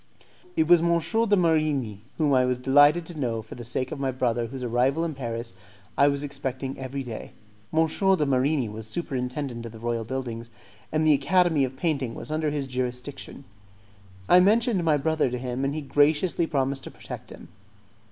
It was M. de Marigni, whom I was delighted to know for the sake of my brother whose arrival in Paris I was expecting every day. M. de Marigni was superintendent of the royal buildings, and the Academy of Painting was under his jurisdiction. I mentioned my brother to him, and he graciously promised to protect him.